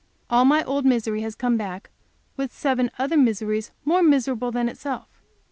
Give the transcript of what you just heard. All my old misery has come back with seven other miseries more miserable than itself.